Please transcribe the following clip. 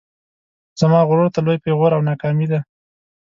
زما غرور ته لوی پیغور او ناکامي ده